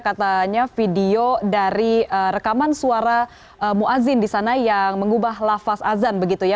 katanya video dari rekaman suara muazzin di sana yang mengubah lafaz azan begitu ya